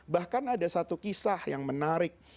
bahkan ada satu kisah yang menarik